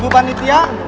ibu bandit tia